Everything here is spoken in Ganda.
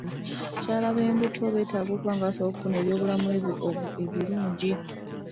Abakyala b'embuto beetaaga okuba nga basobola okufuna eby'obulamu ebirungi.